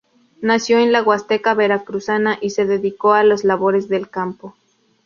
Nació en la Huasteca veracruzana y se dedicó a las labores del campo.